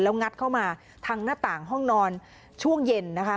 งัดเข้ามาทางหน้าต่างห้องนอนช่วงเย็นนะคะ